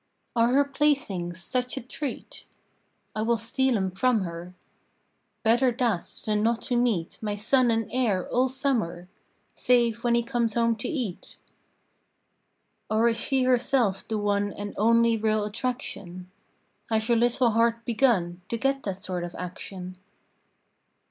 Are her playthings such a treat? I will steal 'em from her; Better that than not to meet My son and heir all summer, Save when he comes home to eat. Or is she herself the one And only real attraction? Has your little heart begun To get that sort of action?